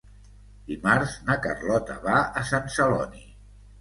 Dimarts na Carlota va a Sant Celoni.